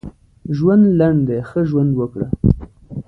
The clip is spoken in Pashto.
ژوند لنډ دی ښه ژوند وکړه.